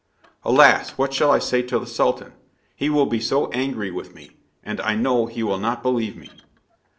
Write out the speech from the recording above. "Alas! what shall I say to the Sultan? He will be so angry with me, and I know he will not believe me!"